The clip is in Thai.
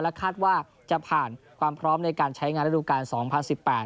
คาดว่าจะผ่านความพร้อมในการใช้งานระดูการสองพันสิบแปด